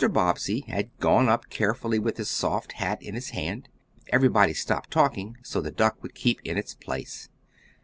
Bobbsey had gone up carefully with his soft hat in his hand. Everybody stopped talking, so the duck would keep in its place.